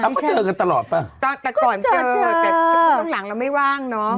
แล้วก็เจอกันตลอดป่ะก็เจอแต่ต้นหลังเราไม่ว่างเนาะ